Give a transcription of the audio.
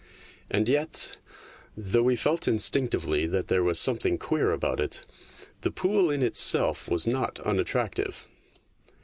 And yet, though we felt in stinctively that there was something queer about it, the pool in itself was not unattrac tive.